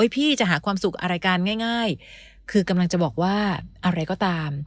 พี่จะหาความสุขอะไรกันง่ายคือกำลังจะบอกว่าอะไรก็ตาม